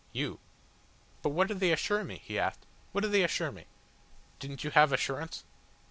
"You." "But what do they assure me?" he asked. "What do they assure me?" "Didn't you have assurance?"